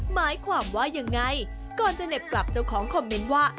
หมายความว่ายังไงก่อนจะเหน็บกลับเจ้าของคอมเมนต์ว่า